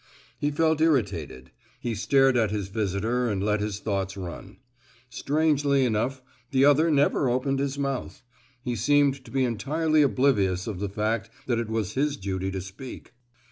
He felt irritated; he stared at his visitor and let his thoughts run. Strangely enough, the other never opened his mouth; he seemed to be entirely oblivious of the fact that it was his duty to speak.